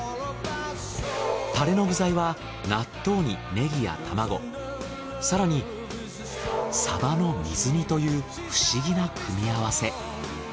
タレの具材は納豆にネギや卵更にサバの水煮という不思議な組み合わせ。